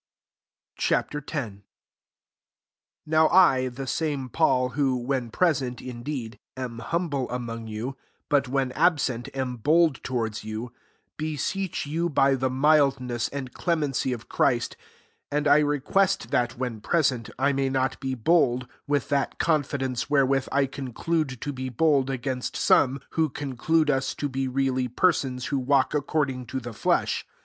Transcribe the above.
* Ch. X. 1 NOW I, the same ^aul, who, when present, in ieed, am humble among you, tut when absent am bold to* rards you, beseech you by he mildness and clemency of Christ, 2 and I request^ that, 7hen present, I may not be lold, with that confidence i^herewith I conclude to be iold stgainst some, who con iude us to be reaily /leraom rho walk according to the lesh.